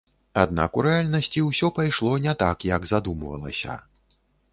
Аднак у рэальнасці ўсё пайшло не так, як задумвалася.